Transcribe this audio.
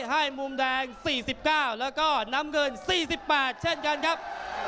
ให้มุมแดง๔๙แล้วก็น้ำเงิน๔๘เช่นกันครับ